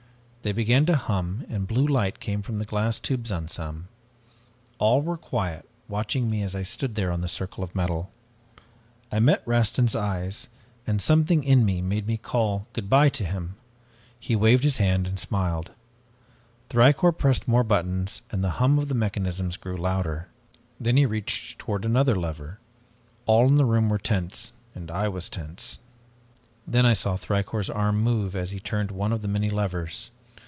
They began to hum, and blue light came from the glass tubes on some. All were quiet, watching me as I stood there on the circle of metal. I met Rastin's eyes and something in me made me call goodbye to him. He waved his hand and smiled. Thicourt pressed more buttons and the hum of the mechanisms grew louder. Then he reached toward another lever. All in the room were tense and I was tense. "Then I saw Thicourt's arm move as he turned one of the many levers.